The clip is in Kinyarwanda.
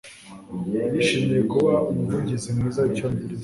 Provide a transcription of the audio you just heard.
Yishimiye kuba umuvugizi mwiza wicyongereza.